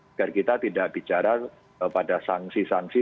agar kita tidak bicara pada sanksi sanksi